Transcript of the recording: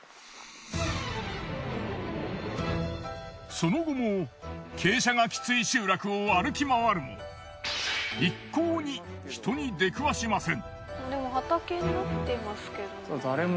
その後も傾斜がきつい集落を歩き回るも一向に人に出くわしません。